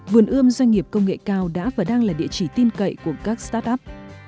vườn ươm doanh nghiệp công nghệ cao đã và đang là địa chỉ tin cậy của các start up